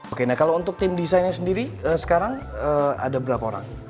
oke nah kalau untuk tim desainnya sendiri sekarang ada berapa orang